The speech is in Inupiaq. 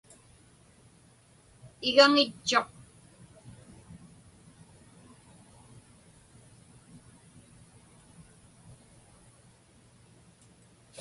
Igaŋitchuq.